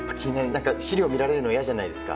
資料を見られるのが嫌じゃないですか。